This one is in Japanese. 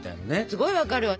すごい分かるわ。